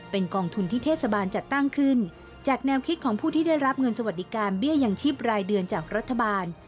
เป็นกองทุนที่เทศบาลจัดตั้งขึ้นจากแนวคิดของผู้ที่ได้รับเงินสวัสดิการเบี้ยยังชีพรายเดือนจากรัฐบาล